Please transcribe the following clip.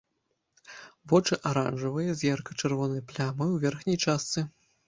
Вочы аранжавыя, з ярка-чырвонай плямай у верхняй частцы.